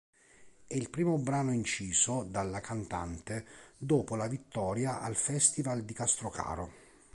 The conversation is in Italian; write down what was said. È il primo brano inciso dalla cantante dopo la vittoria al Festival di Castrocaro.